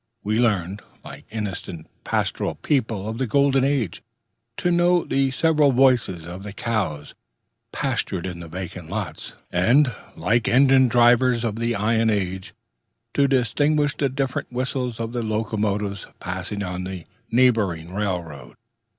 We learned, like innocent pastoral people of the golden age, to know the several voices of the cows pastured in the vacant lots, and, like engine drivers of the iron age, to distinguish the different whistles of the locomotives passing on the neighboring railroad....